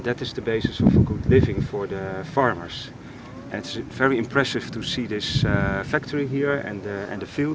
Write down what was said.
dan sangat menarik untuk melihat faktori ini dan pemerintah dan pembelajaran yang bekerja